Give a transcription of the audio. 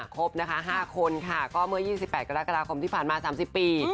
ครบนะคะ๕คนค่ะก็เมื่อ๒๘กรกฎาคมที่ผ่านมา๓๐ปี